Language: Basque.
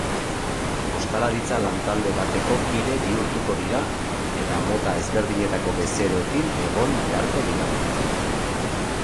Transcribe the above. Ostalaritza lantalde bateko kide bihurtuko dira eta mota ezberdinetako bezeroekin egon beharko dira.